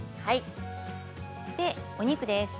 お肉です。